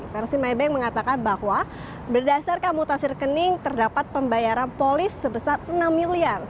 versi maybank mengatakan bahwa berdasarkan mutasi rekening terdapat pembayaran polis sebesar enam miliar